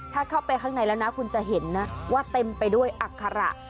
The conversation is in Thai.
ถ้าเข้าไปข้างในแล้วนะคุณจะเห็นนะว่าเต็มไปด้วยอัคระ